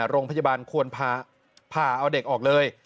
โรงพยาบาลควรผ่าเอาเด็กออกเลย